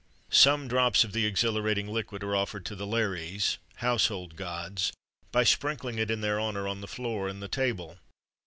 Some drops of the exhilarating liquid are offered to the Lares (household gods), by sprinkling it in their honour on the floor and the table.